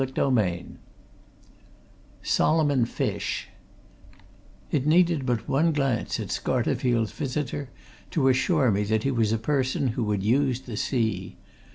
CHAPTER XIV SOLOMON FISH It needed but one glance at Scarterfield's visitor to assure me that he was a person who had used the sea.